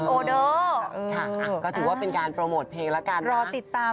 ค่ะก็ถือว่าเป็นการโปรโมทเพลงละกันนะ